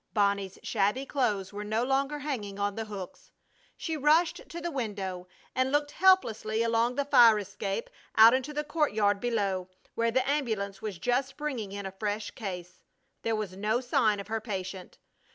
Bonnie's shabby clothes were no longer hanging on the hooks! She rushed to the window and looked helplessly along the fire escape out into the courtyard below, where the ambulance was just bringing in a fresh case. There was no sign of her patient.